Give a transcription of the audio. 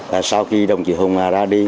và sau khi đồng chỉ hùng ra đi